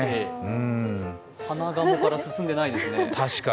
鼻が「も」から進んでないですね。